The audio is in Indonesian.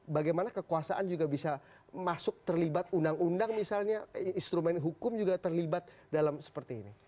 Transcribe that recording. bagaimana kekuasaan juga bisa masuk terlibat undang undang misalnya instrumen hukum juga terlibat dalam seperti ini